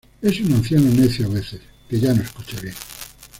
Es un anciano necio a veces, que ya no escucha bien.